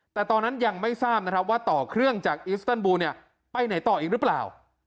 แต่ตอนนั้นยังไม่ทราบนะครับว่าต่อเครื่องจากอิสเติลบูลไปไหนต่ออีกหรือเปล่า